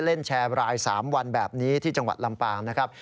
เล่นแชร์ราย๓วันแบบนี้ที่จังหวัดลำปางนะครับ